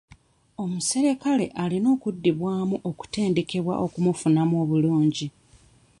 Omuserikale alina okuddamu okutendekebwa okumufunamu obulungi.